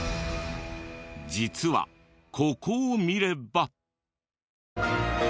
実はここを見れば。